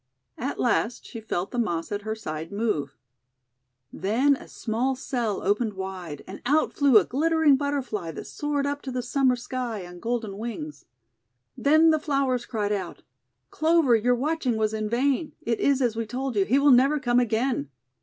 At last she felt the Moss at her side move. 164 THE WONDER GARDEN Then a small cell opened wide, and out flew a glittering Butterfly, that soared up to the Summer sky on golden wings. Then the flowers cried out: — l( Clover, your watching was in vain. It is as we told you. He will never come again.'